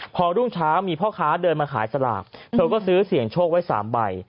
พอรุ่งเช้ามีพ่อค้าเดินมาขายสลากเธอก็ซื้อเสี่ยงโชคไว้๓ใบ